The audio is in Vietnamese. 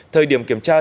thời điểm kiểm tra